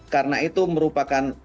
karena itu merupakan